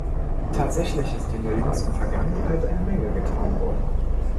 Tatsächlich ist in der jüngsten Vergangenheit eine Menge getan worden.